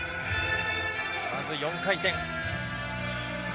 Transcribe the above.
まず４回転。